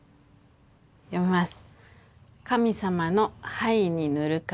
読みます。